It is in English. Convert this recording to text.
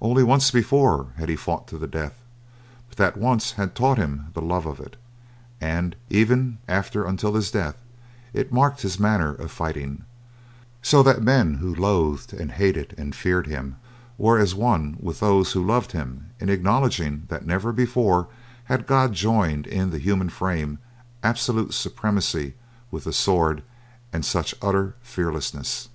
Only once before had he fought to the death, but that once had taught him the love of it, and ever after until his death, it marked his manner of fighting; so that men who loathed and hated and feared him were as one with those who loved him in acknowledging that never before had God joined in the human frame absolute supremacy with the sword and such utter fearlessness.